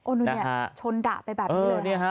โอโหนูเนี่ยก็ชนด่ะไปแบบนั้น